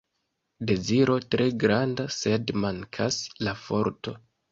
Deziro tre granda, sed mankas la forto.